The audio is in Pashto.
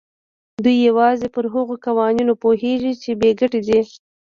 دی يوازې پر هغو قوانينو پوهېږي چې بې ګټې دي.